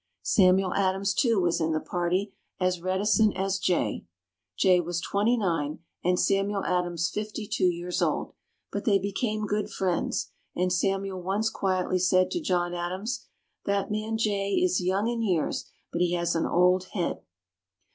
Samuel Adams, too, was in the party, as reticent as Jay. Jay was twenty nine and Samuel Adams fifty two years old, but they became good friends, and Samuel once quietly said to John Adams, "That man Jay is young in years, but he has an old head."